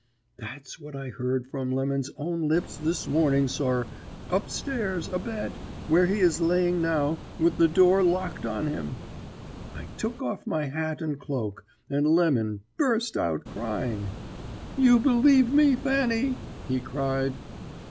"That's what I heard from Lemon's own lips this morning, sir, up stairs, abed, where he is laying now, with the door locked on him. "I took off my hat and cloak, and Lemon burst out crying. "'You believe me, Fanny!' he cried.